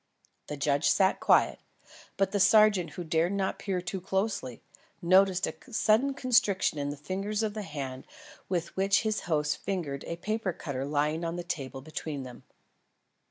The judge sat quiet, but the sergeant who dared not peer too closely, noticed a sudden constriction in the fingers of the hand with which his host fingered a paper cutter lying on the table between them.